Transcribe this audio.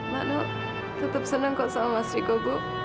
mano tetap seneng kok sama mas riko bu